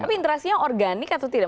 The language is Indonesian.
tapi interaksinya organik atau tidak